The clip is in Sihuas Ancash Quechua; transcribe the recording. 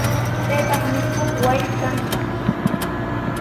Paypaqmi kay wasi kanqa.